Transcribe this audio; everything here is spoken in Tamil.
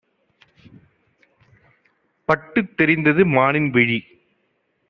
பட்டுத் தெரிந்தது மானின்விழி!